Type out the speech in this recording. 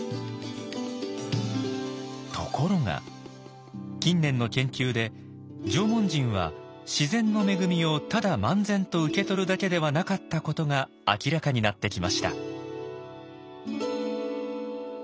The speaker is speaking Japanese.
ところが近年の研究で縄文人は自然の恵みをただ漫然と受け取るだけではなかったことが明らかになってきました。